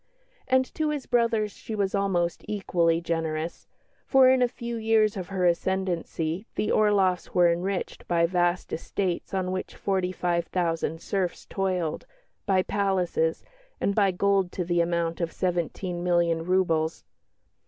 And to his brothers she was almost equally generous, for in a few years of her ascendancy the Orloffs were enriched by vast estates on which forty five thousand serfs toiled, by palaces, and by gold to the amount of seventeen million roubles.